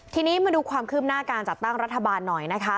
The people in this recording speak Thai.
ทีนี้มาดูความคืบหน้าการจัดตั้งรัฐบาลหน่อยนะคะ